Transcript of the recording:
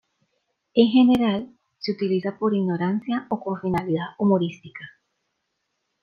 En general, se utiliza por ignorancia o con finalidad humorística.